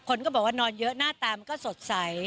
คนก็บอกว่านอนเยอะหน้าตามันก็สดใส